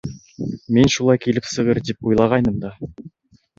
Мин шулай килеп сығыр тип уйлағайным да.